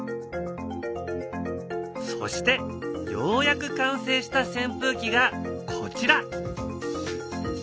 そしてようやく完成したせん風機がこちら。